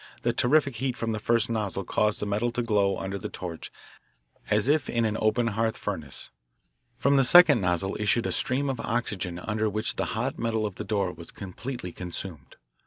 The terrific heat from the first nozzle caused the metal to glow under the torch as if in an open hearth furnace. From the second nozzle issued a stream of oxygen under which the hot metal of the door was completely consumed.